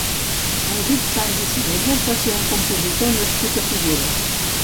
Enric Sans i Salellas va ser un compositor nascut a Figueres.